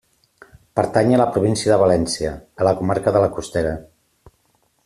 Pertany a la Província de València, a la comarca de La Costera.